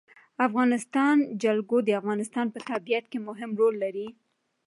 د افغانستان جلکو د افغانستان په طبیعت کې مهم رول لري.